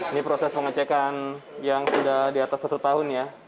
ini proses pengecekan yang sudah di atas satu tahun ya